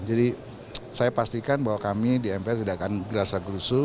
jadi saya pastikan bahwa kami di mpr tidak akan berasa gulusu